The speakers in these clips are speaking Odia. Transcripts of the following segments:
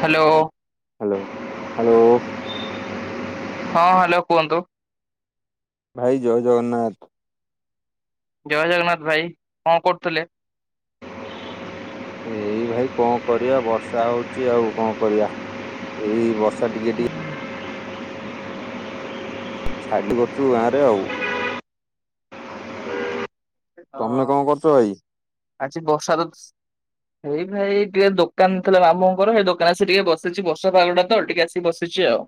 ହ୍ୟାଲୋ। Hello hello. ହଁ ହ୍ୟାଲୋ କୁହନ୍ତୁ। ଭାଇ ଜୟ ଜଗନ୍ନାଥ। ଜୟ ଜଗନ୍ନାଥ ଭାଇ କଣ କରୁଥିଲେ? ଏଇ ଭାଇ କଣ କରିବା ବର୍ଷା ହଉଛି ଆଉ କଣ କରିବା? ଏଇ ବର୍ଷା ଟିକେ ଟିକେ ଛାଡିଲି କରୁଛୁ ଗାଁ ରେ ଆଉ। ଅ ତମେ କଣ କରୁଛ ଭାଇ? ଆଜି ବର୍ଷା ତ ଏଇ ଭାଇ ଟିକେ ଦୋକାନ ଥିଲା ମାମୁଁଙ୍କର ହେଇ ଦୋକାନ ଆସିକି ଟିକେ ବସିଛି ବର୍ଷା ପାଗଟା ତ ଟିକେ ଆସିିକି ବସି ଚି ଆଉ।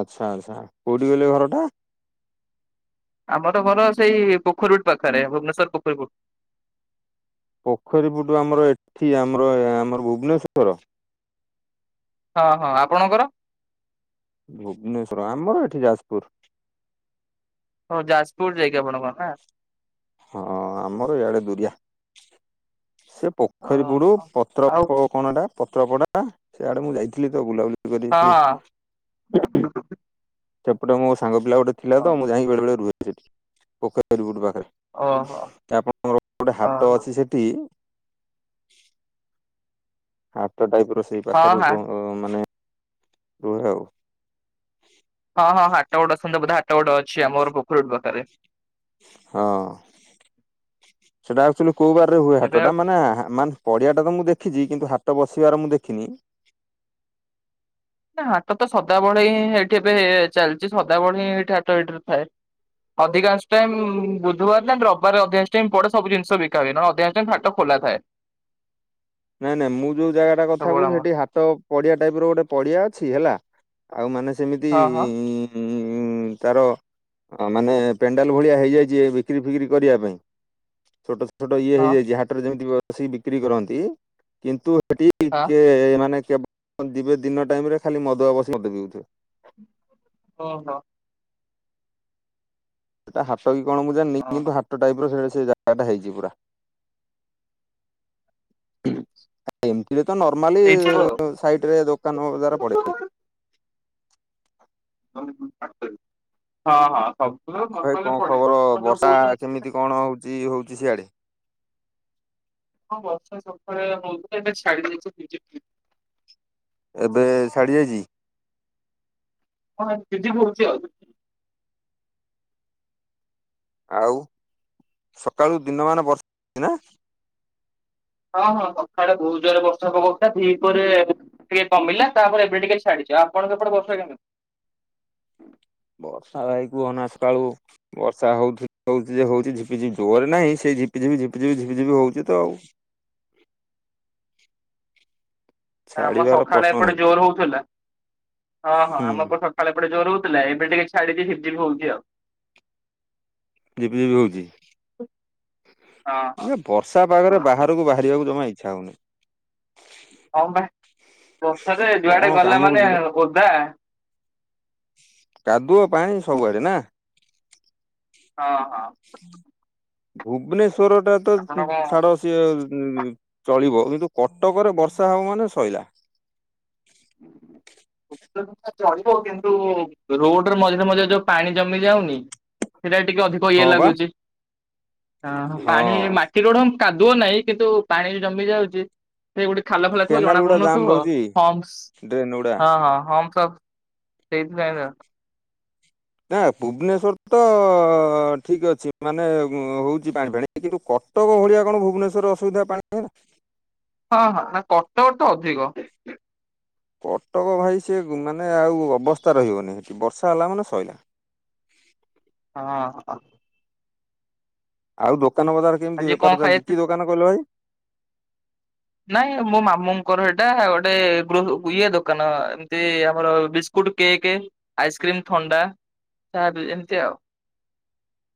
ଆଛା ଆଛା କୋଉଠି କହିଲେ ଘର ଟା? ଆମର ଘର ସେଇ ପୋଖରୀପୁଟ ପାଖରେ ଭୁବନେଶ୍ଵର ପୋଖରୀପୁଟ। ପୋଖରୀପୁଟ ଆମର ଏଠି ଆମର ଆମର ଭୁବନେଶ୍ଵର। ହଁ ହଁ ଆପଣଙ୍କର। ଭୁବନେଶ୍ଵର ଆମର ଏଠି ଯାଜପୁର। ହଁ ଯାଜପୁର ଯାଇକି ଆପଣଙ୍କର ନା। ହଁ ଆମର ଇଆଡେ ଦୁରିଆ। ସେ ପୋଖରୀ ପୁଡୁ ପତ୍ର ଓହୋ କଣ ଏଟା ପତ୍ର ପଡା ସେଆଡେ ମୁଁ ଯାଇଥିଲି ତ ବୁଲାବୁଲି। ଗାଧେଇ ଆଉ ହଁ ଥିଲି ହଁ। ସେପଟେ ମୋ ସାଙ୍ଗ ପିଲା ଗୋଟେ ଥିଲା ଓହୋ ତ ମୁଁ ଯାଇକ ବେଳେ ବେଳେ ରୁହେ ସେଠି ପୋଖରୀପୁଟ ପାଖେ। ଓହୋ ଆପଣଙ୍କର ଗୋଟେ ହଁ ହାଟ ଅଛି ସେଠି। ହାଟ ଟାଇପ ର ସେଇ ପାଖରେ ହଁ ମାନେ ରୁହେ ଆଉ। ହଁ ହଁ ହାଟ ଗୋଡ ଅଛନ୍ତି ବୋଧେ ହାଟ ଗୋଟେ ଅଛି ଆମର ପୋଖରୀ ପୁଟ ପାଖରେ। ହଁ ସେଟା ଆକଚୁଲି କୋଉ ବାରରେ ହୁଏ ଏବେ ଆଉ ହାଟଟା ମାନେ ମାନେ ପଡିଆଟା ତ ମୁଁ ଦେଖିଚି କିନ୍ତୁ ହା ଟ ବସିବାର ମୁଁ ଦେଖିନି। ନା ହାଟ ତ ସଦାବେଳେ ହିଁ ହେଇଠି ଏବେ ଚାଲିଛି ସଦାବେଳେ ହିଁ ହେଇଠି ହାଟ ହେଇଠି ଥାଏ। ଅଧିକାଂଶ ଟାଇମ ବୁଧବାର ନଲେ ରବିବାର ଅଧିକାଂଶ ଟାଇମ ପଡେ ସବୁ ଜିନିଷ ବିକା ହୁଏ ନଲେ ଅଧିକାଂଶ ହାଟ ଫାଟ ଖୋ ଖୋଲା ଥାଏ। ନାଇଁ ନାଇଁ ମୁଁ ଯୋଉ ଜାଗା ଟା କଥା ସବୁବେଳେ କହୁଛି ଆମର ସେଠି ହାଟ ପଡ଼ିଆ ଟାଇପ୍ ର ଗୋଟେ ପଡ଼ିଆ ଅଛି ହେଲା ଆଉ ମାନେ ସେମିତି ହଁ ହଁ ଉ ତାର ମାନେ ପେଣ୍ଡାଲ ଭଳିଆ ହେଇଯାଇଛି ବିକ୍ରି ଫିକ୍ରି କରିବା ପାଇଁ। ଛୋଟସ ଛୋଟ ଇଏ ହଁ ହେଇଯାଇଚି ହାଟରେ ଯେମିତି‌ ବସିକି ବିକ୍ରି କରନ୍ତି କିନ୍ତୁ ସେଠି ହଁ ଟିକେ ମାନେ କେବଳ ଦିବେ ଦିନ ଟାଇମରେ ଖାଲି ମଦୁଆ ବସି ମଦ ପିଉଥିବେ। ଅ ହୋ। ସେଇା ହାଟ କି କଣ ମୁଁ ଜାଣିନି ଓହୋ କିନ୍ତୁ ହାଟ ଟାଇପ ର ସେଟ ସେ ଜାଗା ଟା ହେଇଛି ପୁରା [unintelligible] ଏବେ ତ ନର୍ମାଲି ହେଇଥିବ ଆଉ। ସାଇଟରେ ଦୋକାନ ବଜାର ପଡେ। [unintelligible] ହଁ ହଁ। ଆ ସବୁବେଳେ ଭାଇ ସକାଳେ କଣ ପଡେ। ଖବର ଆପଣ ଯୋଉ ବର୍ଷା କହୁଛନ୍ତି କେମିତି କଣ ହଉଚି ହଉଚି ସିଆଡେ? ହଁ ବର୍ଷା ସକାଳେ ହଉଥିଲା ଏବେ ଛାଡି ଜାଇଛି ଏବେ ଛାଡି ଯାଇଛି? ହଁ ଦିଦି ବି ରହୁଛି ଆଉ। ଆଉ ସକାଳୁ ଦିନ ମାନ ବର୍ଷା ହଉଛି ନା? ହଁ ହଁ ସକାଳେ ବହୁତ ଜୋରରେ ବର୍ଷା ପକଉ ଥିଲା ଦି ପହରେ ଟିକେ କମିଲା ତାପରେ ଏବେ ଟିକେ ଛାଡି ଆପଣଙ୍କ ସେପଟେ ବର୍ଷା କେମିତି? [inaudible] ବର୍ଷା ଭାଇ କୁହନା ସକାଳୁ ବର୍ଷା ହଉ ହଉଛି ଯେ ହଉଛି ଝିପିଝିପି ଜୋରରେ ନାହିଁ ସେ ଝିପି ଝିପି ଝିପିଝପି ଝିପି ଝିପି ହଉଛି ତ ଆଉ। ଆମ ଛାଡିବାର ସକାଳେ ପ୍ରଶ୍ନ ଏପଟେ ନାହିଁ ଜୋର ହଉଥିଲା ହଁ ହଁ ହୁଁ ଆମ ଏପଟେ ସକାଳେ ଏପଟେ ଜୋର ହଉଥିଲା। ଥିଲା ଏବେ ଟିକେ ଛାଡିଛି ଝିପିଝିପି ହଉଛି ଆଉ। ଝିପି ଝିପି ହଉଛି। ହଁ ବର୍ଷା ପାଗରେ ହଁ। ବାହାରକୁ ବାହାରିବାକୁ ଜମା ଇଚ୍ଛା ହଉନି ହଁ ଭ ବର୍ଷରେ କଣ ଯୁଆଡେ ଗଲା କାମକୁ ମାନେ ଯିବା। ଓଦା। କାଦୁଅ ପାଣି ସବୁଆଡେ ନା? ହଁ ହଁ। ଭୁବନେଶ୍ଵର ଟା ତ ଆପଣ କଣ ଛାଡ ସିଏ ଚଳିବ କିନ୍ତୁ କଟକରେ ବର୍ଷା ହବ ମାନେ ଶଇଲା। [inaudible] ଚଳିବ କିନ୍ତୁ ରୋଡରେ ମଝିରେ ମଝିରେ ଯୋଉ ପାଣି ଜମି ଯାଉନି ସେଟା ଟିକେ ଅଧିକ ଇଏ ହଁ ବା ଲାଗୁଛି ହଁ ପାଣି ମାଟି ଗୋଢ କାଦୁଅ ନାହିଁ କିନ୍ତୁ ପାଣି ଜମି ଯାଉଛି। ସେ ଗୋଟେ ଖାଲ ଫାଲା ଥିବ କେନାଲ ଜଣା ଗୁଡା ଜାମ୍ ପଡୁନଥିବ ରହୁଛି ହମ୍ସ ଡ୍ରେନ ଗୁଡା ହଁ ହଁ। ହମ୍ସ ସେଇଥିପାଇଁ ତ ନା ଭୁବନେଶ୍ଵର ତ ଠିକ୍ ଅଛି ମାନେ ହଉଛି ପାଣି ଫାଣି କିନ୍ତୁ କଟକ ଭଳିଆ କଣ ଭୁବନେଶ୍ୱରରେ ଅସୁବିଧା ପାଣି ଟକଠୁ ଅଧିକ। କଟକ ଭାଇ ସେ ମାନେ ଆଉ ଅବସ୍ଥା ରହିବନି ସେଠି ବର୍ଷା ହେଲା ମାନେ ଶଇଲା। [inaudible] ଅ ହଁ। ଆଉ ଦୋକାନ ବଜାର କେମିତି ଆଜି କଣ ବେପାର ଖାଇ ଚାଲିଛି କି ଦୋକାନ କହିଲ ଭାଇ? ନାଇଁ ମୋ ମାମୁଁଙ୍କର ଏଇଟା ଗୋଟେ ଇଏ ଦୋକାନ ଏମତି ଆମର ବି ସ୍କୁଟ, କେକ୍, ଆଇସ୍କ୍ରିମ୍, ଥଣ୍ଡା ଏମିତି ଆଉ। [inaudible]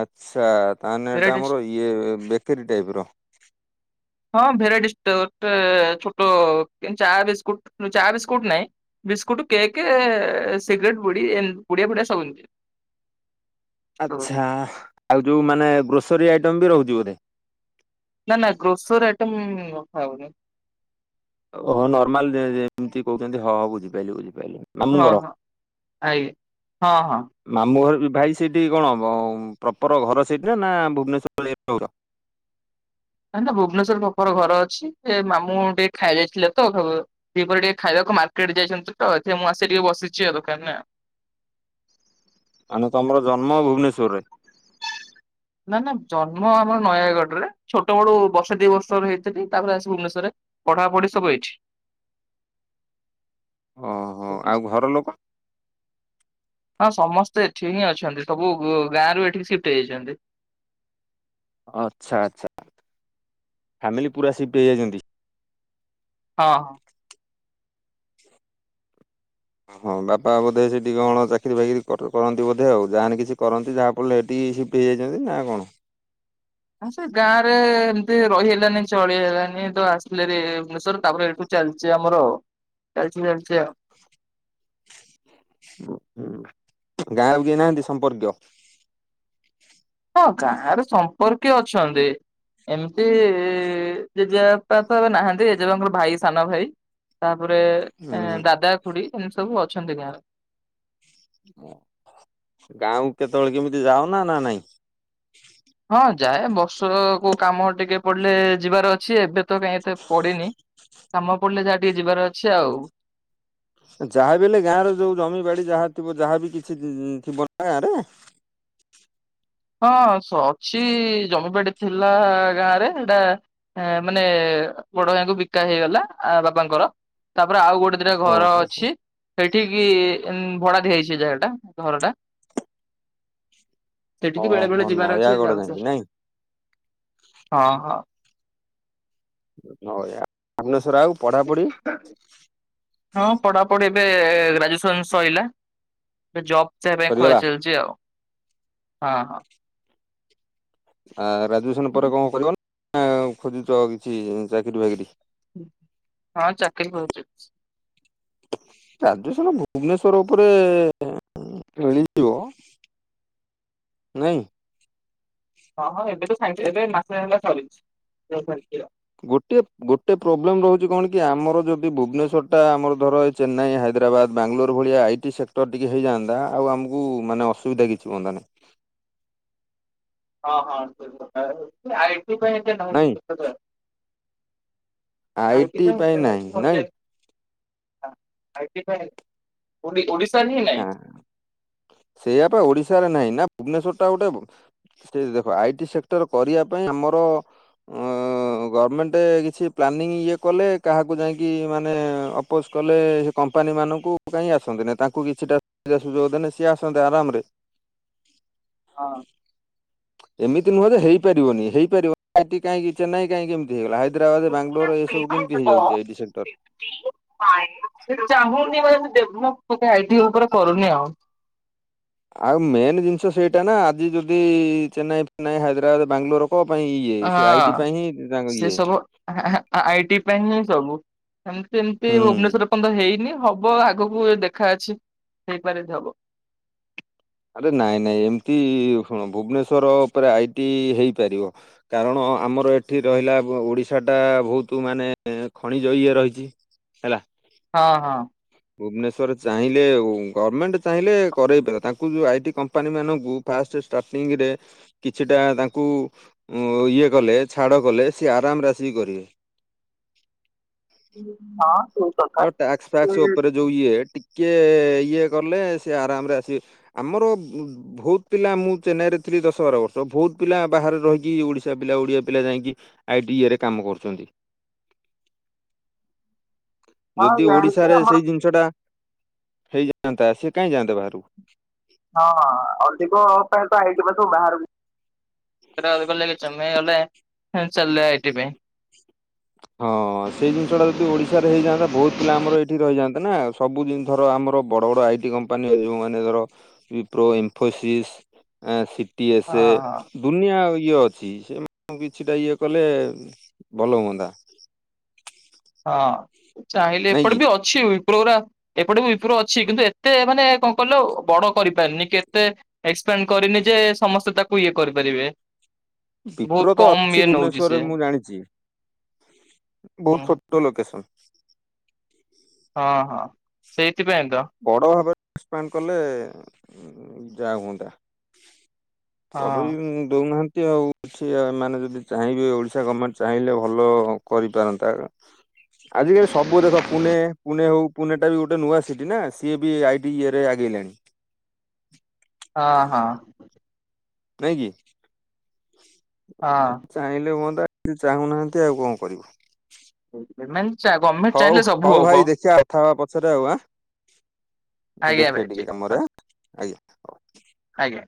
ଆଚ୍ଛା ତାହେଲେ ଏଟା ଭେରାଇଟି ଆମର ଇଏ ବେକୀ ଟାଇପ ର। ହଁ ଭେରାଇଟି ଛୋଟ ଚା ବିସ୍କୁଟ ଚା, ବିସ୍କୁଟ ନାଇଁ। ବିସ୍କୁଟ, କେକ୍ ସିଗରେଟ୍, ପୁଡ଼ି, ପୁଡ଼ିଆ ଫୁଡ଼ିଆ ସବୁ [inaudible] ଛୋଟ ଆଛା ଆଉ ଯୋଉମାନେ ଗ୍ରୋସରୀ ଆଇଟମ ବି ରହୁଛି ବୋଧେ? ନା ନା ଗ୍ରୋସର [unintelligible] ଓହୋ ନର୍ମାଲ ଯେ ଯେମିତି କହୁଛନ୍ତି ହଁ ହଁ ବୁଝିପାଇଲି ବୁଝି ହଁ ମାମୁଁଘର ହଁ ଆଜ୍ଞା ହଁ ହଁ। ମାମୁଁ ଘର ଯୋଉ ଭାଇ ସେଇଠି କଣ ପ୍ରପର ଘର ସେଇଠି ନା ଭୁବନେଶ୍ୱରରେ ଯାଇକି ରହୁଛ? ନାଇଁ ନାଇଁ ଭୁବନେଶ୍ଵର ପ୍ରପର ଘର ଅଛି। ମାମୁଁ ଟିକେ ଖାଇ ଯାଇଥିଲେ ତ ଦ୍ଵିପର ଟିକେ ଖାଇବାକୁ ମାର୍କେଟ ଯାଇଛନ୍ତି ତ ଏଥି ମୁଁ ଆସି ଟିକେ ବସିଛି ଆଉ ଦୋକାନରେ। ମାନେ ତମର ଜନ୍ମ ଭୁବନେଶ୍ଵରରେ? ନା ନା ଜନ୍ମ ଆମର ନୟାଗଡ ରେ। ଛୋଟବେଳୁ ବର୍ଷ ଦି ବର୍ଷର ହେଇଥିଲି ତାପରେ ଆସି ଭୁବନେଶ୍ଵରରେ ପଢ଼ାପଢି ସବୁ ଏଇଠି। [inaudible] ଓହୋ ଆଉ ଘର ଲୋକ? ହଁ ସମସ୍ତେ ଏଠି ହିଁ ଅଛନ୍ତି। ସବୁ ଗାଁରୁ ଏଠିକି ସିଫ୍ଟ ହେଇଯାଇଛନ୍ତି। ଆଚ୍ଛା ଆଚ୍ଛା। ଫ୍ୟାମିଲି ପୁରା ସିଫ୍ଟ ହେଇଯାଇଛନ୍ତି? ହଁ ହଁ। ହଁ ବାପା ବୋଧେ ସେଠି କଣ ଚାକିରି ବାକିରି କର କରନ୍ତି ବୋଧେ ଆ। ଗାଁରେ କିଛି କରନ୍ତି ଯାହାଫଳରେ ଏଠି କି ସିଫ୍ଟ ହେଇଯାଇଛନ୍ତି ନା କଣ? ନା ସେ ଗାଁରେ ଏମିତି ରହିହେଲାନି ଚଳିହେଲାନି ତ ଆସିଲେ ଭାରି ଭୁବନେଶ୍ୱର ତାପରେ ଏଇଠୁ ଚାଲିଛି ଆମର। ଚାଲିଚି ଚାଲିଚି ଆଉ। [inaudible] ଉଁ ହୁଁ। ଗାଁରେ ଆଉ କେହିନାହାନ୍ତି ସମ୍ପର୍କୀୟ? ହଁ ଗାଁରେ ସମ୍ପର୍କୀୟ ଅଛନ୍ତି। ଏମିତି ଜେଜେବାପା ତ ଏବେ ନାହାନ୍ତି। ଜେଜେବାପାଙ୍କର ଭାଇ ସାନ ଭାଇ ତା [unintelligible] ହୁଁ ଏଁ ଦାଦା, ଖୁଡି ଏମିତି ସବୁ ଅଛନ୍ତି ଗାଁରେ। ଗାଁକୁ କେତେବେଳେ କେମିତି ଯାାଉନା ନା ନାଇଁ? ହଁ ଯାଏ। ବର୍ଷକୁ କାମ ଟିକେ ପଡିଲେ ଯିବାର ଅଛି। ଏବେ ତ କାଇଁ ଏତେ ପଡିନି। କାମ ପଡିଲେ ଯାହା ଟିକେ ଯିବାର ଅଛି ଆଉ। ଯାହାବି ହେଲେ ଗାଁର ଯୋଉ ଜମି ବାଡି ଯାହା ଥିବ ଯାହାବି କିଛି ଥିବ ନା ଗାଁରେ। [inaudible] ହଁ ଅଛି ଜମିିବାଡି ଥିଲା ଗାଁରେ ଏଇଟା ମାନେ ବଡଭାଇଙ୍କୁ ବିକା ହେଇଗଲା ଆ ବାପାଙ୍କର। ତା ପରେ ଆଉ ଗୋଟେ ଦିଟା ଘର ଓହୋ ହୋ। ଅଛି। ସେଠିକି ଭଡା ଦିଆ ହେଇଛି ଯାଗା ଟା ଘରଟା। ସେଠିକି ଓହୋ ବେଳେବେଳେ ଯିବାର ଅଛି ତ ନୟାଗଡ ଯାଉଚୁ। ଯାଇକି ନାଇଁ? ଓ ହଁ। ବଢିଆ। ଭୁବନେଶ୍ଵର ଆଉ ପଢାପଢି? ହଁ ପଢାପଢି ଏବେ ଗ୍ରାଜୁଏସନ ସଇଲା। ଏ ଜବ୍ [unintelligible] ପାଇଁ ଖୋଜା ସରିଗଲା ଚାଲିଚି ଆଉ। ହଁ ହଁ। ଆ ଗ୍ରାଜୁଏସନ ପରେ କଣ କରିବ? ନା ଖୋଜୁଛ କିଛି ଚାକିରି ବାକିରି। ହଁ ଚାକିରୀ ଖୋଜୁଚି। ଗ୍ରାଜୁଏସନ୍ ଭୁବନେଶ୍ଵର ଉପରେ ମିଳିଯିବ ନାଇଁ। ହଁ ହଁ ଏବେ ତ ସାଙ୍ଗେ ଏବେ ମାସ ହୋଲା ସରିଚି। ଜବ୍ ମିଳିଯିବ। ଗୋଟିଏ ଗୋଟେ ପ୍ରୋବ୍ଲେମ ରହୁଛି କଣ କି ଆମର ଯଦି ଭୁବନେଶ୍ଵରଟା ଆମର ଧର ଏ ଚେନ୍ନାଇ ହାଇ ହାଇଦ୍ରାବାଦ, ବାଙ୍ଗଲୋର ଭଳିଆ ଆଇ ଟି ସେକ୍ଟର ଟିକେ ହେଇଯାଆନ୍ତା ଆଉ ଆମକୁ ମାନେ ଅସୁବିଧା କିଛି ହୁଅନ୍ତାନି। [inaudible] ହଁ ହଁ [unintelligible] ଆଇ ଟି ପାଇଁ ନାହିଁ। ନାଇଁ [unintelligible] [unintelligible] ଆଇ ଆଇଟି ପାଇଁ ନାହିଁ ନାଇଁ ଟି ପାଇଁ ଓଡ଼ି ଓଡ଼ିଶ୍ ନା, ସେଆପ ଓଡିଶାରେ ନାହିଁ ନା ଭୁବନେଶ୍ୱଟା ଗୋଟେ, ସେ ଦେଖ ଆଇ ଟି ସେକ୍ଟର କରିବା ପାଇଁ ଆମର ଗମେଣ୍ଟ କିଛି ପ୍ଲାନିଂ ଇଏ କଲେ କାହାକୁ ଯାଇକି ଇଏ ମାନେ ଅପୋଜ କଲେ, ସେ କମ୍ପାନୀ ମାନଙ୍କୁ କାହିଁ ଆସନ୍ତି ନାହି ତା କୁ କିଛିଟା ସୁବିଧା ସୁଯୋଗ ଦେଲେ ସିଏ ଆସନ୍ତେ ଆରାମରେ ହଁ। ଏମିତି ନୁହେଁ ଯେ ହେଇପାରିବନି, ହେଇପାରିବ କାହିଁଟି ଚେନାଇ କାହିଁକି ଏମତି ହେଇଗଲା, ହାଇଦ୍ରାବାଦ ବାଙ୍ଗାଲୋର ଏ ସବୁ କେମିତି ହେଇଯାଉଛି ଆଇଡି ସେକ୍ଟର ସେ ଚାହୁଁନି ଡେଭଲପ ଆଇଟି ଉପରେ କରୁନି ଆଉ। ଆଉ ମେନ୍ ଜିନିଷ ସେଇଟା ନା ଆଜି ଯଦି ଚେନ୍ନାଇ ଫେନ୍ନାଇ ହାଇଦ୍ରାବାଦ ବାଙ୍ଗାଲୋର କଣ ପାଇଁ ଇଏ ସେ ଆଇଟି ହଁ। ପାଇଁ ହିଁ ତାଙ୍କ ସେ ଇଏ। ସବୁ ଏମିତି ଏମିତି ହୁଁ। ଭୁବନେଶ୍ୱର ପର୍ଯ୍ୟନ୍ତ ହେଇନି। ହବ, ଆଗକୁ ଦେଖା ଅଛି, ହେଇପାରେଵି ହବ୍। ଆରେ ନାଇଁ ନାଇଁ ଏମତି ଶୁଣ ଭୁବନେଶ୍ଵର ଉପରେ ଆଇଟି ହେଇପାରିବ କାରଣ ହଁ, ଆମର ଏଠି ରହିଲା, ଓଡିଶାଟା ବହୁତ ମାନେ ଖଣିଜ ଇଏ ରହିଛି ହେଲା। ହଁ ହଁ। ଭୁବନେଶ୍ଵର ଚାହିଁଲେ ଓ ଗଭର୍ଣ୍ଣମେଣ୍ଟ ଚାହିଁଲେ କରେଇ ଦଵ ତାଙ୍କୁ ନ୍ତୁ ଆଇଟି କମ୍ପାନୀ ମାନଙ୍କୁ ଫାଷ୍ଟ ଷ୍ଟାର୍ଟିଂ ରେ କିଛିଟା ତାଙ୍କୁ ଇ ଇଏ କଲେ ଛାଡ଼ କଲେ ସିଏ ଆରାମରେ ଆସିକି କରିବେ। ହଁ। ସେଇ କଥା ଆଉ ଟ୍ୟାକ୍ସ ସେ ଫ୍ୟାକ୍ସ ଉପରେ ଯଉ ଇଏ, ଟି କିଏ ଇଏ ଗଲେ ସିଏ ଆରାମରେ ଆସିବେ, ଆମର ଭୋଉତ ପିଲା ମୁଁ ଚେନ୍ନାଇରେ ମିନତି ଦଶ ବାର ବର୍ଷ ବହୁତ ପିଲା ବାହାରେ ରହିକି ଓଡିଶା ପିଲା ଓଡିଆ ପିଲା ଯାଇକି ଆଇଟି ଇଏରେ କାମ କରୁଛନ୍ତି। ହଁ ଯଦି ଜାଣିଛି ଓଡିଶାରେ ଆମର ସେଇ ଜିନିଷ ଟା ହେଇଯାଆନ୍ତା ସେି କାଇଁକି ଯାଆନ୍ତେ ବାହାରକୁ। ହଁ ହଁ ଅଧିକ ପିଲାତ ଆଇଟି ପାଖକୁ ବାହାରକୁ [unintelligible] ହଁ ସେଇ ଜିନିଷଟା ଯଦି ଓଡିଶାରେ ହେଇଯାନ୍ତା ବହୁତ ପିଲା ଆମର ଏଇଠି ରହିଯାଆନ୍ତେନା, ସବୁ ଦିନି ଧର ଆମର ବଡ଼ ବଡ଼ ଆଇଟି କମ୍ପାନୀ ଯୋଉମାନେ ଧର ପ୍ରୋ ଇନଫୋସିସ୍ ହଁ ଟିଏସ୍ଏ ଦୁନିଆ ଆଇଟି କିଏ ଅଛି ସେମାନଙ୍କୁ କିଛିଟା ଇଏ କଲେ ଭଲ ହୁଅନ୍ତା। ହଁ, ଚାହିଁଲେ ନାଇଁ ଏପଟ କି ବି ଅଛି ଓଇ ଗୁରା ଏପଟେ ବି ୟୁପ୍ରୋ ଅଛି କିନ୍ତୁ ଏତେ ମାନେ କଣ କହିଲ ବଡ କରିପାରିନି କେତେ ଏକ୍ସ ତାଙ୍କ କରିନି ଯେ ସମସ୍ତେ ତାକୁ ଇଏ କରିପାରିବେ। ବହୁତ ବିପ୍ରତ କମ ଅଛି ଇଏ ନଉଛି ଭୁବନେଶ୍ଵରରେ ସିଏ। ମୁଁ ଜାଣିଛି, ବହୁତତ ହୁଁ ତ ଲୋକସନସ। ହଁ ହଁ, ସେଇଥିପାଇଁ ତ। ବଡ଼ ଭାବରେ ଏକ୍ସପାଣ୍ଡ କଲେ, ଯାହା ହୁଅନ୍ତା। ହଁ କରେଇ ଦଉନାହାନ୍ତି ଏମିତି ଆଉ କିଛି, ସେମାନେେ ଯଦି ଚାହିଁବେ ଓଡିଶା ଗଭର୍ଣମେଣ୍ଟ ଚାହିଁଲେ ଭଲ କରିପାରନ୍ତା। ଆଜିକାଲି ସବୁ ଦେଖ, ପୁନେ ପୁନେ ହଉ ପୁନେଟା ବି ଗୋଟେ ନୂଆ ସିଟି ନା ସିଏ ବି ଆଇଟି ଇଏରେ ଆଗେଇଲାଣି। ହଁ, ହଁ। ନାଇଁ କି, ହଁ ଚାହିଁଲେ ହୁଅନ୍ତା। ସେ ଚାହୁଁନାହାନ୍ତି, ଆଉ କଣ କରିବୁ। ମାନେ ଗଭର୍ଣମେଣ୍ଟ ହଉ, ଚାହିଁଲେ ସବୁ ହଉ ହବ ଭାଇ ଦେଖିବା କଥା ହବା ପଛରେ ଆଉ ଆଁ। ମୁଁ ଆଜ୍ଞା ଦେଖେ ଭାଇ ଟିକେ ଠିକ କାମରେ, ଆଁ ଆଜ୍ଞା। ଆଜ୍ଞା।